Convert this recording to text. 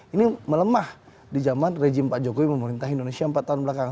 ini melemah di zaman rejim pak jokowi memerintah indonesia empat tahun belakang